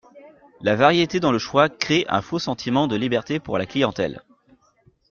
La variété dans le choix crée un faux sentiment de liberté pour la clientèle.